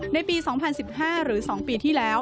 ในปี๒๐๑๕หรือ๒ปีที่แล้ว